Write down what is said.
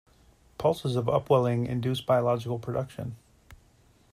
Pulses of upwelling induce biological production.